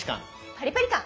パリパリ感。